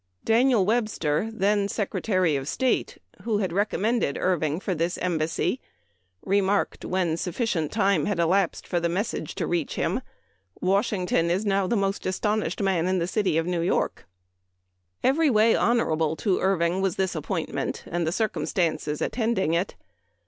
Daniel Webster, then Secretary of State, who had recommended Irving for this Embassy, remarked, when sufficient time had elapsed for the message to reach him, " Wash ington is now the most astonished man in the city of New York !" Every way honorable to Irving was this ap pointment, and the circumstances attending it.